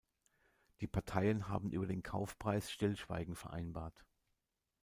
Die Parteien haben über den Kaufpreis Stillschweigen vereinbart.